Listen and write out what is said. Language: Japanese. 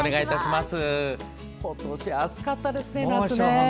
今年、暑かったですね夏。